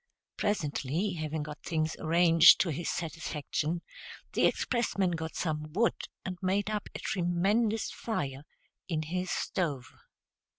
Presently, having got things arranged to his satisfaction, the expressman got some wood and made up a tremendous fire in his stove.